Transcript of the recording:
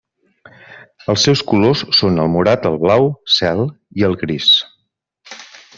Els seus colors són el morat, el blau cel i el gris.